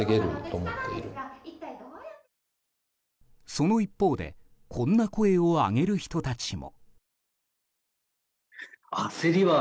その一方でこんな声を上げる人たちも。